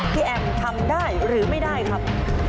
แอมทำได้หรือไม่ได้ครับ